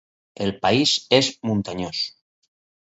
El país és muntanyós.